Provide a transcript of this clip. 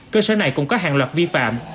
cơ sở này cũng có hàng loạt vi phạm